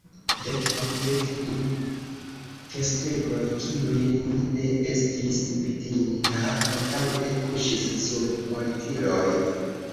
Dek aŭ dek du kestegoj, kiujn mi ne estis vidinta antaŭe, kuŝis sur portiloj.